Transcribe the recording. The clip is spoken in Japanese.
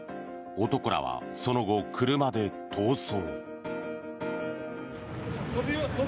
男らはその後、車で逃走。